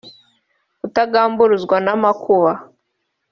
kutagamburuzwa n’amakuba